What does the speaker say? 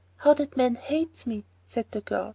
"How that man hates me!" said the girl.